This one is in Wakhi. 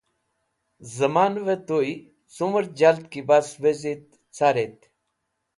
Zemanve Tuy cumer Jaldki Bas wezit, Carit